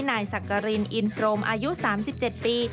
นายสักกรินอินพรมอายุ๓๗ปี